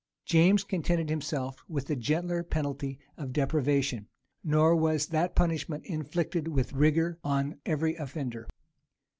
James contented himself with the gentler penalty of deprivation; nor was that punishment inflicted with rigor on every offender.